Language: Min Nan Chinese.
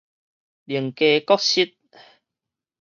另家各食